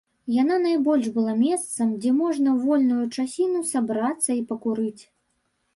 Яна найбольш была месцам, дзе можна ў вольную часіну сабрацца і пакурыць.